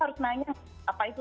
harus nanya apa itu